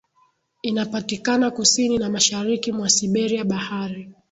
inapatikana kusini na mashariki mwa Siberia Bahari